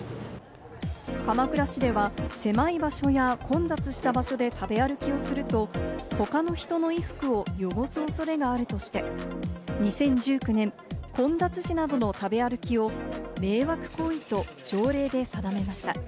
鎌倉市では狭い場所や混雑した場所で食べ歩きをすると他の人の衣服を汚す恐れがあるとして、２０１９年、混雑時などの食べ歩きを迷惑行為と条例で定めました。